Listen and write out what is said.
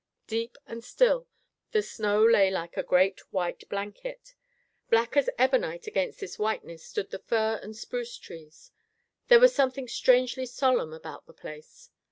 Deep and still, the snow lay like a great white blanket. Black as ebonite against this whiteness stood the fir and spruce trees. There was something strangely solemn about the place.